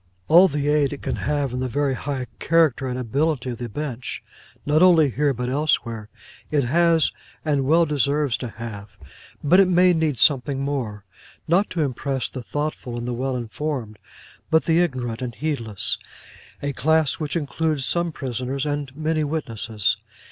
All the aid it can have in the very high character and ability of the Bench, not only here but elsewhere, it has, and well deserves to have; but it may need something more: not to impress the thoughtful and the well informed, but the ignorant and heedless; a class which includes some prisoners and many witnesses.